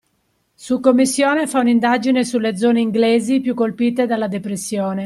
Su commissione fa un'indagine sulle zone inglesi più colpite dalla depressione